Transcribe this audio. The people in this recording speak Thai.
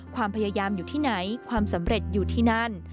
ความพยายามอยู่ที่ไหนความสำเร็จอยู่ที่นั่น